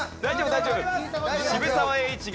大丈夫。